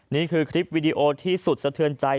นี่คือคลิปวิดีโอที่สุดสะเทือนใจ